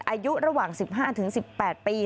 อายุระหว่าง๑๕๑๘ปี